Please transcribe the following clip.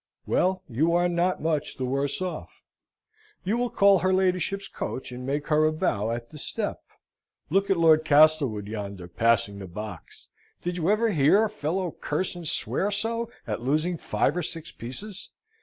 Well, you are not much the worse off you will call her ladyship's coach, and make her a bow at the step. Look at Lord Castlewood yonder, passing the box. Did you ever hear a fellow curse and swear so at losing five or six pieces?